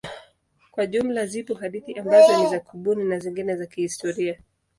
Kwa jumla zipo hadithi ambazo ni za kubuni na zingine za kihistoria.